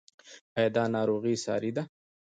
ایا دا ناروغي ساري ده؟